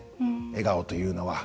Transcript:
笑顔というのは。